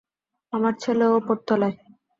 আমার ছেলে ওপরতলায়।